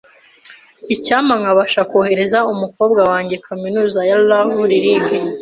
Icyampa nkabasha kohereza umukobwa wanjye kaminuza ya Ivy League .